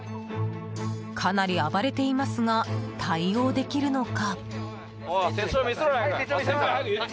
かなり暴れていますが対応できるのか。